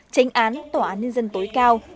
tránh án tòa án nhân dân tối cao